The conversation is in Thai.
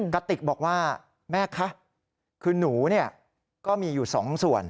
กระติกบอกว่าแม่คะคือหนูก็มีอยู่๒ส่วน